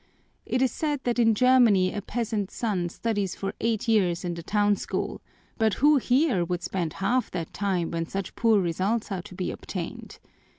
It is said that in Germany a peasant's son studies for eight years in the town school, but who here would spend half that time when such poor results are to be obtained?